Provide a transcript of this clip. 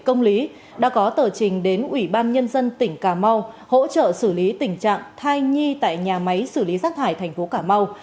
công lý đã có tờ trình đến ủy ban nhân dân tỉnh cà mau hỗ trợ xử lý tình trạng thai nhi tại nhà máy xử lý rác thải thành phố cà mau